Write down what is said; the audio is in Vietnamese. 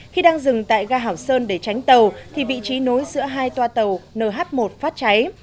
khi đang dừng tại gà hảo sơn để tránh tàu thì vị trí nối giữa hai tòa tàu nh một phát cháy